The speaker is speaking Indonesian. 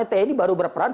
tni baru berperan